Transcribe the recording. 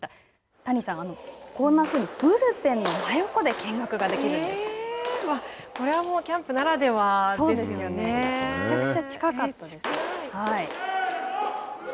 谷さん、こんなふうにブルペンの真横で見学ができるんこれはもうキャンプならではでめちゃくちゃ近かったです。